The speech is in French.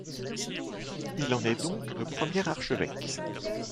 Il en est donc le premier archevêque.